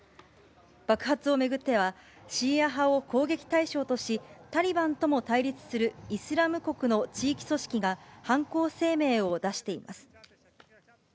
爆発を巡っては、シーア派を攻撃対象とし、タリバンとも対立するイスラム国の地域組織が、犯行声明を出しています。